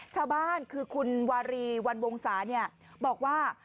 ชาวบ้านคือคุณวารีวันวงศาบอกว่า